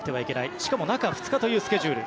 しかも中２日というスケジュール。